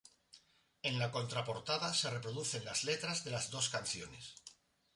En la contraportada se reproducen las letras de las dos canciones.